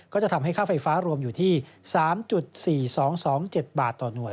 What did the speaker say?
ก็จะทำให้ค่าไฟฟ้ารวมอยู่ที่๓๔๒๒๗บาทต่อหน่วย